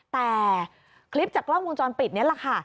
แต่คลิปจากกล้องวงจรปิดนี่แหละค่ะ